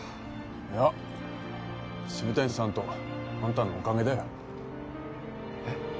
いや渋谷さんとあんたのおかげだよえっ？